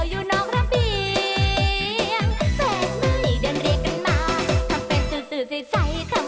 บื้อเหมือนเป็นคุณยายแต่เบื้องหลังร้ายจะตาย